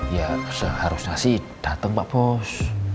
ya seharusnya sih dateng pak pos